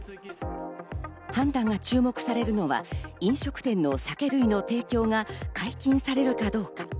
判断が注目されるのは、飲食店の酒類の提供が解禁されるかどうか。